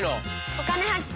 「お金発見」。